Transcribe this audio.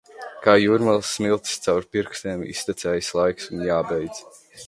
Kā jūrmalas smiltis caur pirkstiem iztecējis laiks un jābeidz.